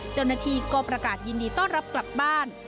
เจ้าหน้าที่ก็ประกาศยินดีต้อนรับกลับบ้าน